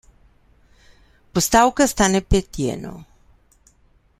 Postavka stane pet jenov.